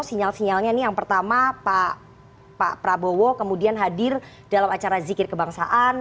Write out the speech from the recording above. sinyal sinyalnya ini yang pertama pak prabowo kemudian hadir dalam acara zikir kebangsaan